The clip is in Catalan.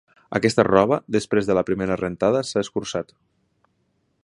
Aquesta roba, després de la primera rentada s'ha escurçat.